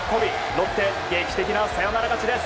ロッテ、劇的なサヨナラ勝ちです。